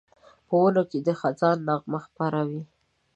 په ونو کې د خزان نغمه خپره وي